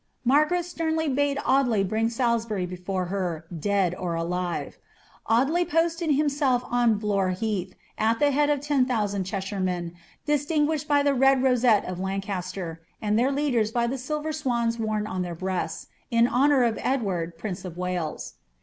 Margaret sternly bade Andley bring Salisbury before her, dead or alive. Audley posted himself on Uore beatb, at the head of ten thousand Cheshirernen, disiinguished by the red rosette of Lancaster, and their leaders by the silver swana woru on their breasts, in honour of Edward, prince of Wales.